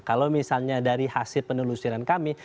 kalau misalnya dari hasil penelusuran kami